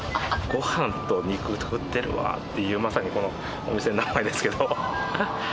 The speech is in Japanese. ごはんと肉食ってるわっていう、まさにこのお店の名前ですけど。